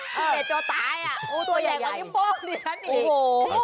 ชีวิตตัวตายอ่ะตัวใหญ่นี่ฉันอีก